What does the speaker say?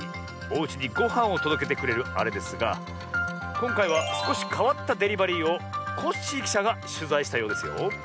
おうちにごはんをとどけてくれるあれですがこんかいはすこしかわったデリバリーをコッシーきしゃがしゅざいしたようですよ。